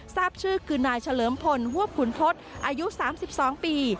ทราบชื่อคือนายเฉลิมพลฮวบขุนทศอายุ๓๒ปี